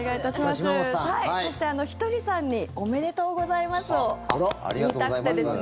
そして、ひとりさんにおめでとうございますを言いたくてですね